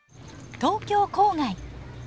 東京郊外。